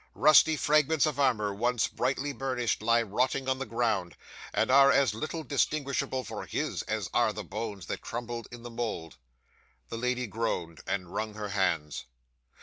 Rusty fragments of armour, once brightly burnished, lie rotting on the ground, and are as little distinguishable for his, as are the bones that crumble in the mould!" 'The lady groaned, and wrung her hands.